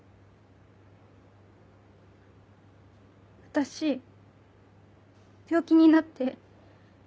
私病気になって。